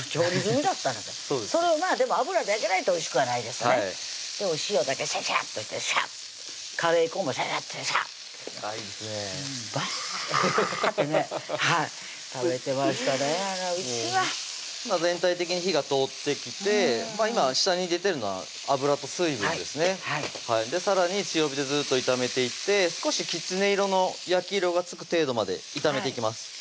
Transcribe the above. あれはおいしいわ全体的に火が通ってきて今下に出てるのは脂と水分ですねさらに強火でずっと炒めていって少しきつね色の焼き色がつく程度まで炒めていきます